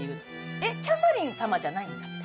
えっ、キャサリン様じゃないんだ？